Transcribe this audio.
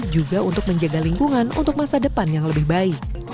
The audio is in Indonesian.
juga untuk menjaga lingkungan untuk masa depan yang lebih baik